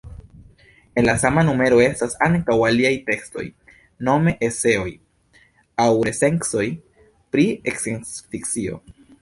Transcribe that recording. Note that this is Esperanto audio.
En la sama numero estas ankaŭ aliaj tekstoj, nome eseoj aŭ recenzoj pri sciencfikcio.